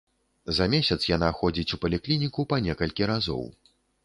За месяц яна ходзіць у паліклініку па некалькі разоў.